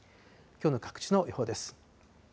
きょうの各地の予報です。